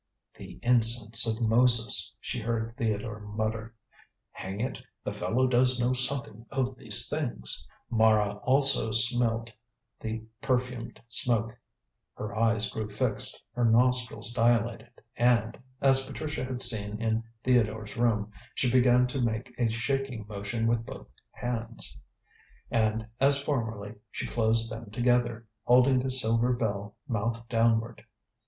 "The incense of Moses," she heard Theodore mutter; "hang it, the fellow does know something of these things!" Mara also smelt the perfumed smoke. Her eyes grew fixed, her nostrils dilated and as Patricia had seen in Theodore's room she began to make a shaking motion with both hands. And, as formerly, she closed them together, holding the silver bell, mouth downward.